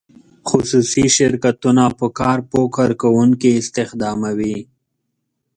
خصوصي شرکتونه په کار پوه کارکوونکي استخداموي.